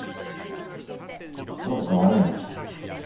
どこか悪いの？